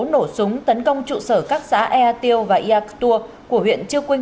nổ súng tấn công trụ sở các xã ea tiêu và ia ctua của huyện trư quynh